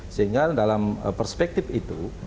sehingga dalam perspektif itu